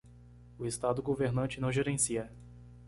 O estado governante não gerencia.